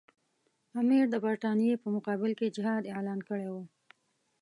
امیر د برټانیې په مقابل کې جهاد اعلان کړی وو.